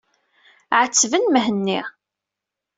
Ɛettben Mhenni.